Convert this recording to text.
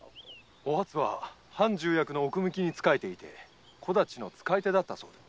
おはつは藩重役の奥向きに仕える小太刀の使い手だったそうです。